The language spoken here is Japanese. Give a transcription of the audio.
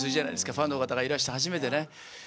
ファンの方がいらして初めてね。